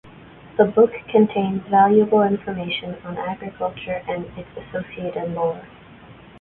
The book contains valuable information on agriculture and its associated lore.